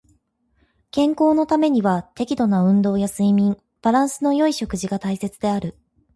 健康のためには適度な運動や睡眠、バランスの良い食事が大切である。